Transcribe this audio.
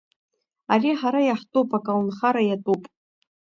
Ари ҳара иаҳтәуп, аколнхара иатәуп.